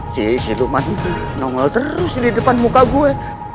si siluman nongel terus di depan muka gue